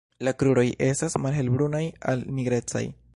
La kruroj estas malhelbrunaj al nigrecaj.